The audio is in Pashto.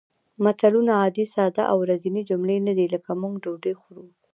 متلونه عادي ساده او ورځنۍ جملې نه دي لکه موږ ډوډۍ خورو